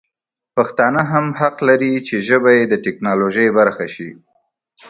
پښتانه هم حق لري چې ژبه یې د ټکنالوژي برخه شي.